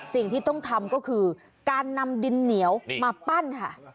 สิ่งที่ต้องทำก็คือการนำดินเหนียวมาปั้นค่ะ